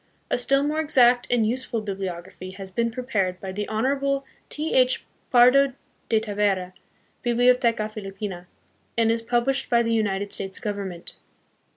A still more exact and useful bibliography has been prepared by the Honorable T. H. Pardo de Tavera, Biblioteca Filipino,, and is published by the United States Government.